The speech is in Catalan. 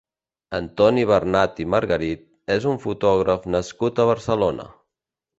Antoni Bernad i Margarit és un fotògraf nascut a Barcelona.